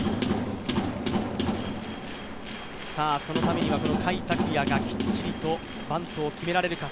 そのためにはこの甲斐拓也がきっちりとバントを決められるか。